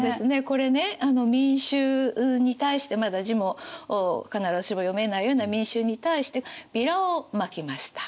これね民衆に対してまだ字も必ずしも読めないような民衆に対してビラをまきました。